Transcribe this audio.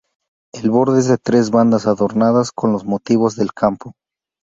El borde es de tres bandas, adornadas con los motivos del campo.